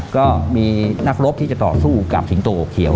ก็มีนักรบที่จะต่อสู้กับสิงโตเขียว